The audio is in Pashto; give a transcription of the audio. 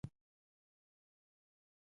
د پنجشیر په پریان کې د اوسپنې نښې شته.